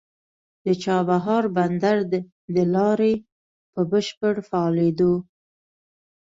د چابهار بندر د لارې په بشپړ فعالېدو